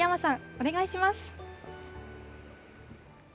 お願いします。